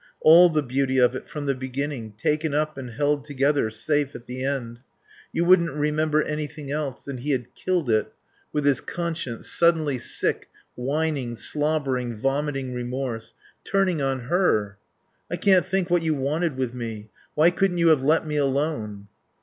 All the beauty of it from the beginning, taken up and held together, safe at the end. You wouldn't remember anything else. And he had killed it, with his conscience, suddenly sick, whining, slobbering, vomiting remorse Turning on her. "I can't think what you wanted with me. Why couldn't you have let me alone!"